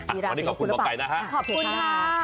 วันนี้ขอบคุณหมอไก่นะฮะขอบคุณค่ะ